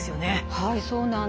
はいそうなんです。